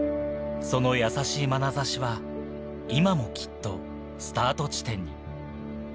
そのやさしいまなざしは今もきっとスタート地点に。